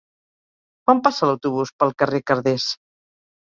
Quan passa l'autobús pel carrer Carders?